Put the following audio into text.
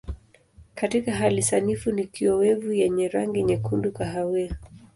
Katika hali sanifu ni kiowevu yenye rangi nyekundu kahawia.